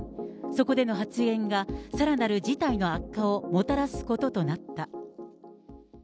そこでの発言が、さらなる事態の悪化をもたらすこととなった。